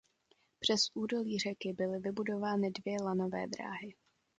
Přes údolí řeky byly vybudovány dvě lanové dráhy.